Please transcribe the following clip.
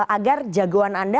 agar jagoan anda